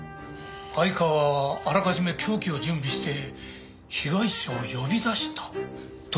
相川はあらかじめ凶器を準備して被害者を呼び出したという事か？